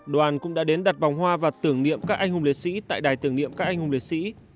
đoàn cũng đã đến đặt vòng hoa và tưởng niệm các anh hùng liệt sĩ tại đài tưởng niệm các anh hùng liệt sĩ